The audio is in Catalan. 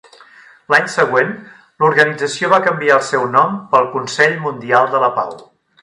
L'any següent, l'organització va canviar el seu nom pel Consell Mundial de la Pau.